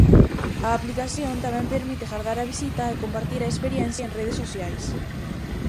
A aplicación tamén permite gardar a visita e compartir a experiencia en redes sociais.